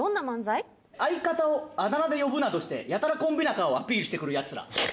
「相方をあだ名で呼ぶなどしてやたらコンビ仲をアピールして来るヤツら」。